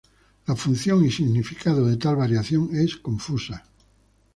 La función y significado de tal variación es confusa.